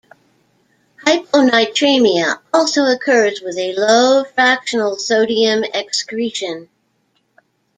Hyponatremia also occurs with a low fractional sodium excretion.